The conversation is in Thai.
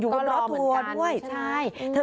อยู่บนรถทัวร์ด้วยต้องรอเหมือนกันใช่